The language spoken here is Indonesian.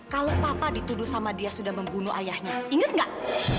kalau papa dituduh sama dia sudah membunuh ayahnya ingat gak